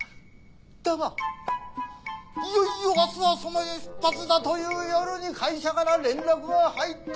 だがいよいよ明日はその出発だという夜に会社から連絡が入った。